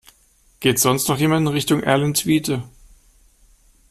Geht sonst noch jemand in Richtung Erlentwiete?